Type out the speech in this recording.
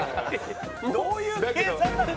どういう計算なの？